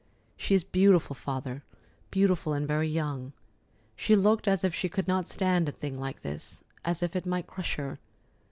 She is beautiful, Father, beautiful, and very young. She looked as if she could not stand a thing like this, as if it might crush her.